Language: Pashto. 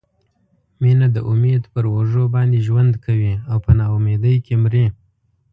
مینه د امید پر اوږو باندې ژوند کوي او په نا امیدۍ کې مري.